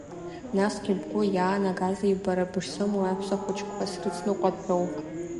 Насгьы бгәы иаанагазеи бара бышсымоу аҳәсахәыҷқәа срыцныҟәап ҳәоу?